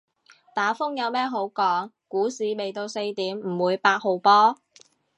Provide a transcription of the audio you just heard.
打風有咩好講，股市未到四點唔會八號波